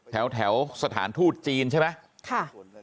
แถวสถานทูตจีนใช่ไหม